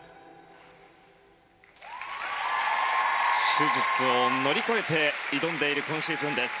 手術を乗り越えて挑んでいる今シーズンです。